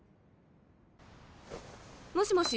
もしもし？